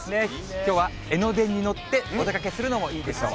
きょうは江ノ電に乗ってお出かけするのもいいでしょう。